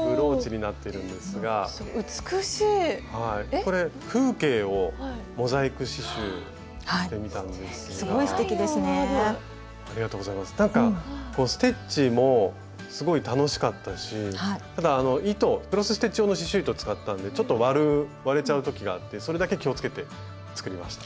なんかステッチもすごい楽しかったしただ糸クロスステッチ用の刺しゅう糸を使ったんでちょっと割れちゃう時があってそれだけ気をつけて作りました。